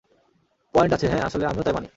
Point আছে হ্যা, আসলে আমিও তাই মানি।